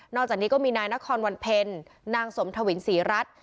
อกจากนี้ก็มีนายนครวันเพ็ญนางสมทวินศรีรัฐ